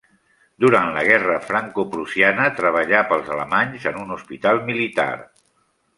Durant la Guerra francoprussiana treballà pels alemanys en un hospital militar.